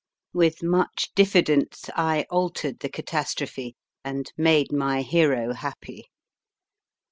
With much diffidence I altered the catastrophe and made my hero happy.